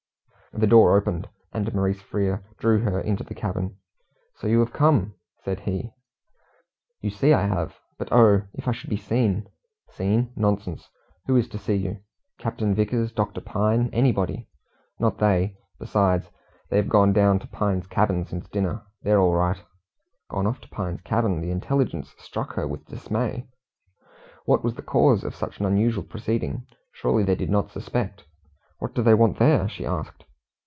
The door opened, and Maurice Frere drew her into the cabin. "So you have come?" said he. "You see I have. But, oh! if I should be seen!" "Seen? Nonsense! Who is to see you?" "Captain Vickers, Doctor Pine, anybody." "Not they. Besides, they've gone off down to Pine's cabin since dinner. They're all right." Gone off to Pine's cabin! The intelligence struck her with dismay. What was the cause of such an unusual proceeding? Surely they did not suspect! "What do they want there?" she asked.